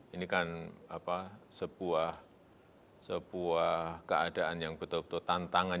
ini kan sebuah keadaan yang betul betul tantangan